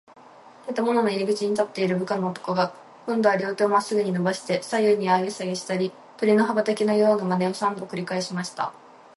建物の入口に立っている部下の男が、こんどは両手をまっすぐにのばして、左右にあげたりさげたり、鳥の羽ばたきのようなまねを、三度くりかえしました。